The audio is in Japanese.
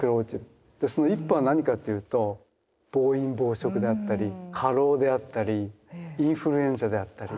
その一歩は何かというと暴飲暴食であったり過労であったりインフルエンザであったり。